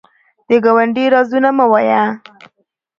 د ګاونډي رازونه مه وایه